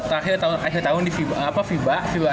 akhir tahun di viba asia cup